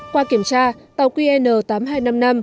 qua kiểm tra tàu qn tám nghìn hai trăm năm mươi năm